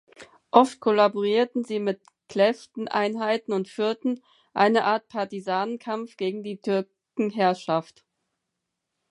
Oft kollaborierten sie mit Kleften-Einheiten und führten eine Art Partisanenkampf gegen die Türkenherrschaft.